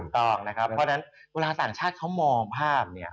ถูกต้องนะครับเพราะฉะนั้นเวลาต่างชาติเขามองภาพเนี่ย